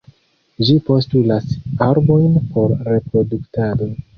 Ĝi postulas arbojn por reproduktado.